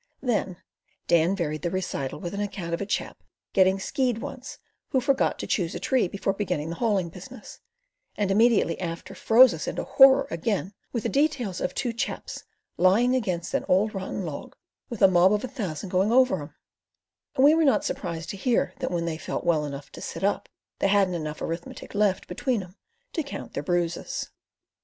Then Dan varied the recital with an account of a chap getting skied once who forgot to choose a tree before beginning the hauling business, and immediately after froze us into horror again with the details of two chaps "lying against an old rotten log with a mob of a thousand going over 'em"; and we were not surprised to hear that when they felt well enough to sit up they hadn't enough arithmetic left between 'em to count their bruises.